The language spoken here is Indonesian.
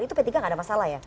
itu b tiga gak ada masalah ya